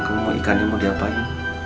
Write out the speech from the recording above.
kamu mau ikannya mau diapain